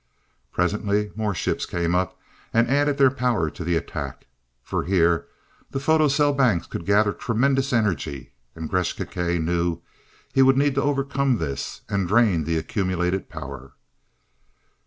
Presently more ships came up, and added their power to the attack, for here, the photo cell banks could gather tremendous energy, and Gresth Gkae knew he would need to overcome this, and drain the accumulated power.